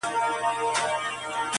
دارو د پوهي وخورﺉ کنې عقل به مو وخوري.